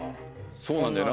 そうなんだよな。